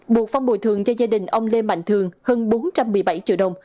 buộc phong bồi thường cho gia đình ông lê mạnh thường hơn bốn trăm một mươi bảy triệu đồng